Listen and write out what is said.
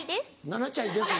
「７ちゃいです」